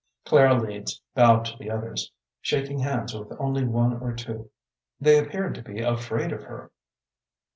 Clara Leeds bowed to the others, shaking hands with only one or two. They appeared to be afraid of her.